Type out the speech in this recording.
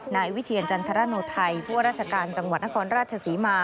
นายวิเทียนจันทรณนท์ไทยพวกราชการจังหวัดนครราชสีมา